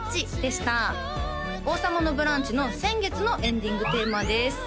「王様のブランチ」の先月のエンディングテーマです